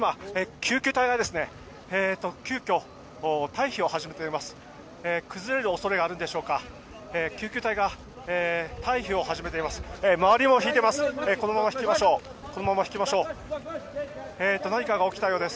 救急隊が退避を始めています。